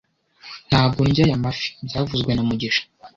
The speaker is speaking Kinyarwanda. Ntabwo ndya aya mafi byavuzwe na mugisha